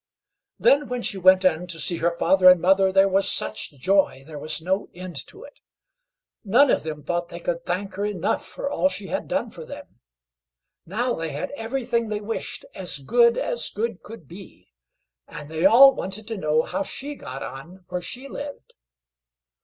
Then, when she went in to see her father and mother, there was such joy, there was no end to it. None of them thought they could thank her enough for all she had done for them. Now, they had everything they wished, as good as good could be, and they all wanted to know how she got on where she lived.